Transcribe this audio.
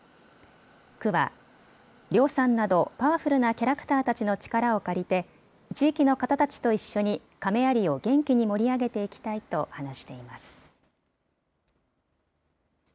区は両さんなどパワフルなキャラクターたちの力を借りて、地域の方たちと一緒に、亀有を元気に盛り上げていきたいと話しています。